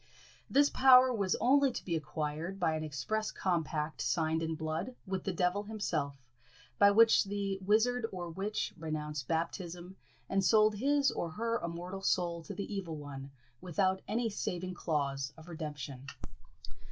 This power was only to be acquired by an express compact, signed in blood, with the devil himself, by which the wizard or witch renounced baptism, and sold his or her immortal soul to the evil one, without any saving clause of redemption.